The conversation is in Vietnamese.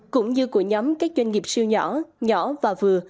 cũng như của nhóm các doanh nghiệp siêu nhỏ nhỏ và vừa